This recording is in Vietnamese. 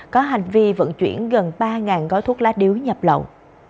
có hành vi vận chuyển gần ba gói thuốc lá điếu nhập lậu